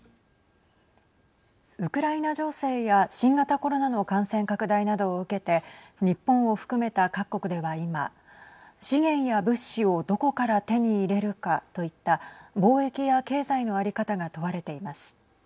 ウクライナ情勢や新型コロナの感染拡大などを受けて日本を含めた各国では、今資源や物資をどこから手に入れるかといった貿易や経済の在り方が問われています。